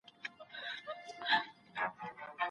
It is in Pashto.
څه وخت دولتي شرکتونه شامپو هیواد ته راوړي؟